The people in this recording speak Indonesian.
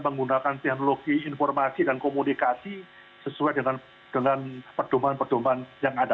menggunakan teknologi informasi dan komunikasi sesuai dengan dengan perdomaan perdomaan yang ada